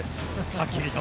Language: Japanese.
はっきりと。